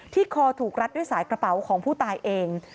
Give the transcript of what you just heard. คอถูกรัดด้วยสายกระเป๋าของผู้ตายเอง